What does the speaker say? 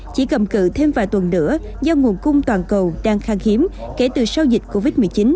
chỉ cầm cự thêm vài tuần nữa do nguồn cung toàn cầu đang khang hiếm kể từ sau dịch covid một mươi chín